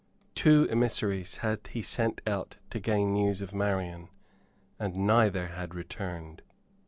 Two emissaries had he sent out to gain news of Marian, and neither had returned.